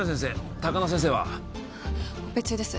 高輪先生はオペ中です